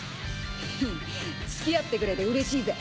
ヘヘッつきあってくれてうれしいぜ。